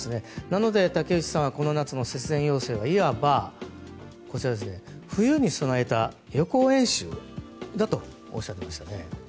なので、竹内さんはこの夏の節電要請はいわば冬に備えた予行演習だとおっしゃっていましたね。